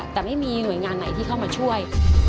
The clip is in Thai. แต่ไม่มีหน่วยงานไหนที่เข้ามาช่วย